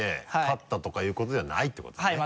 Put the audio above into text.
勝ったとかいうことではないってことだね。